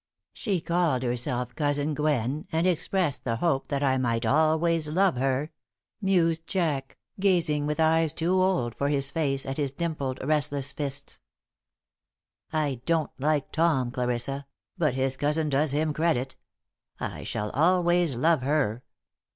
"She called herself Cousin Gwen and expressed the hope that I might always love her," mused Jack, gazing with eyes too old for his face at his dimpled, restless fists. "I don't like Tom, Clarissa, but his cousin does him credit. I shall always love her.